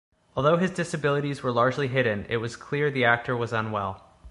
Although his disabilities were largely hidden, it was clear the actor was unwell.